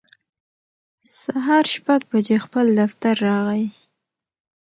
سهار شپږ بجې خپل دفتر راغی